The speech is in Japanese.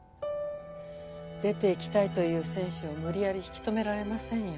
出ていきたいという選手を無理やり引き留められませんよ。